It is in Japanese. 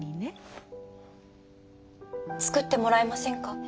作ってもらえませんか？